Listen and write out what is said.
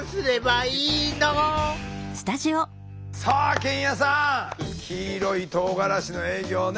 さあ健也さん黄色いとうがらしの営業ね